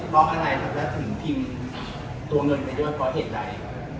เพราะอะไรครับแล้วถึงพิมพ์ตัวเงินไปด้วยเพราะเหตุใด